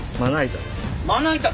まな板。